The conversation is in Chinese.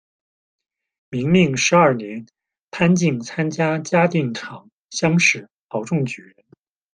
明命十二年，潘靖参加嘉定场乡试，考中举人。